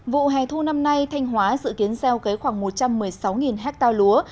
vụ hè thu năm nay thanh hóa dự kiến gieo cấy khoảng một trăm một mươi sáu ha lúa